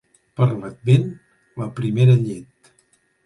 Per l'Advent, la primera llet.